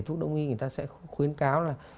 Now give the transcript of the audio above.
thuốc đồng nghi người ta sẽ khuyến cáo là